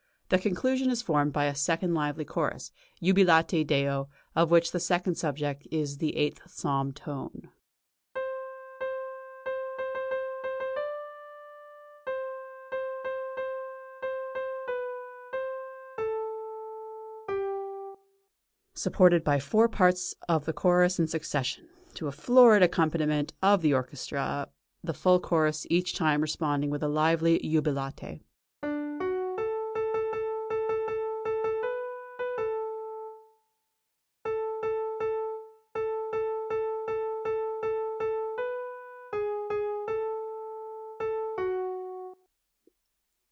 The conclusion is formed by a second lively chorus, Jubilate Deo, of which the second subject is the eighth psalm tone [See Page Image] supported by the four parts of the chorus in succession, to a florid accompaniment of the orchestra, the full chorus each time responding with a lively "Jubilate."